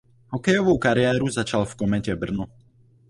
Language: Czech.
Hokejovou kariéru začal v Kometě Brno.